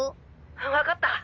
わかった！